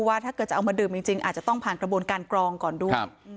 ถ้าเกิดจะเอามาดื่มจริงอาจจะต้องผ่านกระบวนการกรองก่อนด้วย